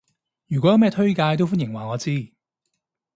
如果有咩推介都歡迎話我知